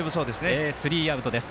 スリーアウトです。